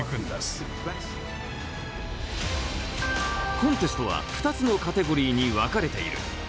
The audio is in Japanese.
コンテストは２つのカテゴリーに分かれている。